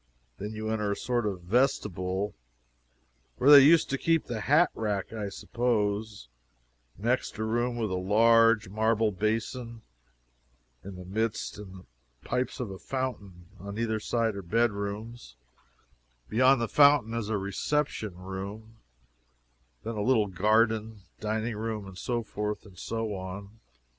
Then you enter a sort of vestibule, where they used to keep the hat rack, I suppose; next a room with a large marble basin in the midst and the pipes of a fountain; on either side are bedrooms; beyond the fountain is a reception room, then a little garden, dining room, and so forth and so on.